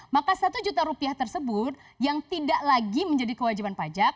maka satu juta rupiah tersebut yang tidak lagi menjadi kewajiban pajak